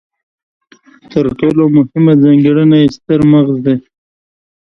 تر ټولو مهمه ځانګړنه یې ستر مغز دی.